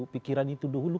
pikiran itu dulu